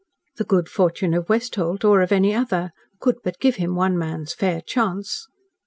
The good fortune of Westholt, or of any other, could but give him one man's fair chance.